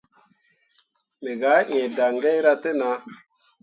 Me gah ĩĩ daŋgaira te nah.